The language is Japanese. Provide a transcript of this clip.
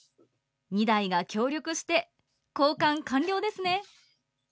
２台が協力して交換完了ですね。